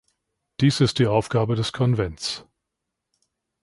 Dies ist die Aufgabe des Konvents.